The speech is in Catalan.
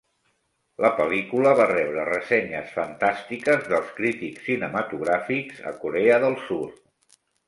La pel·lícula va rebre ressenyes fantàstiques dels crítics cinematogràfics a Corea del Sur.